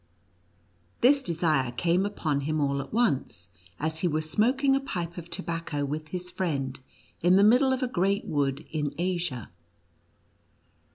This desire came upon him all at once, as he was smoking a pipe of tobacco with his friend in the middle of a great wood in Asia.